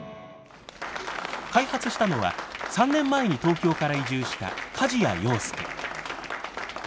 開発したのは３年前に東京から移住した梶屋陽介。